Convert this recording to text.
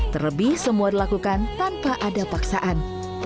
terlebih semua dilakukan tanpa ada paksaan